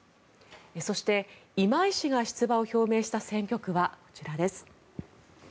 そして、今井氏が出馬を表明した選挙区はこちらです。